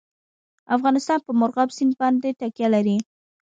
افغانستان په مورغاب سیند باندې تکیه لري.